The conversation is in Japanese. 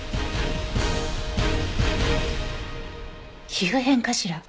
皮膚片かしら？